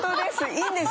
いいんですか？